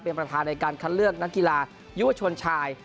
เป็นประธานในการคัดเลือกนักกีฬายุวชนชาย